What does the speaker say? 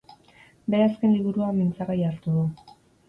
Bere azken liburua mintzagai hartu du.